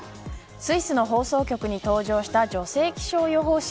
スイスの放送局に登場した女性気象予報士。